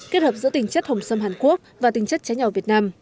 kết hợp giữa tinh chất hồng sâm hàn quốc và tinh chất trái nhỏ việt nam